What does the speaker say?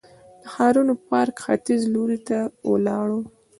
د ښارنو پارک ختیځ لوري ته ولاړو.